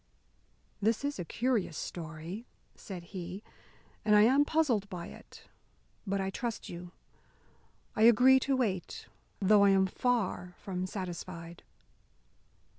"This is a curious story," said he, "and I am puzzled by it. But I trust you, I agree to wait, though I am far from satisfied."